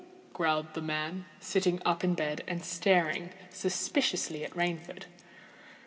growled the man, sitting up in bed, and staring suspiciously at Rainford.